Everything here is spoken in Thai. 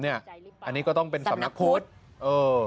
อันนี้ก็ต้องเป็นสำนักพุทธเออ